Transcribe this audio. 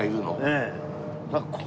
ええ。